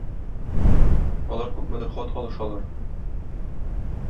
Алар күпмедер хат алышалар.